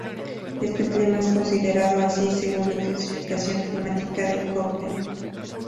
Este clima es considerado así según la Clasificación climática de Köppen.